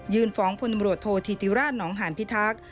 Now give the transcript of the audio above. ฟ้องพลตำรวจโทษธิติราชหนองหานพิทักษ์